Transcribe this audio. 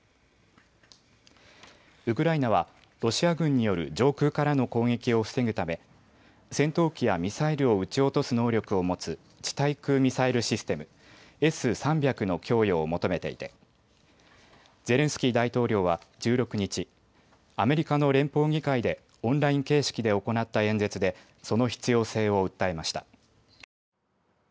ウクライナはロシア軍による上空からの攻撃を防ぐため戦闘機やミサイルを撃ち落とす能力を持つ地対空ミサイルシステム、Ｓ３００の供与を求めていてゼレンスキー大統領は１６日、アメリカの連邦議会でオンライン形式で行った演説でその必要性を訴えました。